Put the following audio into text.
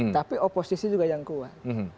tapi oposisi juga yang kuat